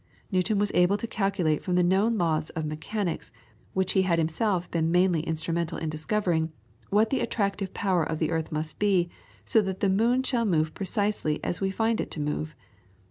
Newton was able to calculate from the known laws of mechanics, which he had himself been mainly instrumental in discovering, what the attractive power of the earth must be, so that the moon shall move precisely as we find it to move.